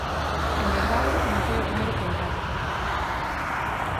En verdade, non foi o primeiro contacto.